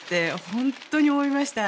本当に思いました。